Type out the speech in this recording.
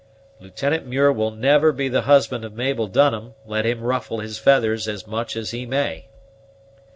"Lieutenant Muir will never be the husband of Mabel Dunham, let him ruffle his feathers as much as he may."